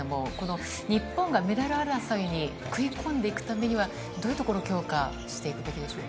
日本がメダル争いに食い込んでいくためにはどういうところを強化していくべきでしょうか？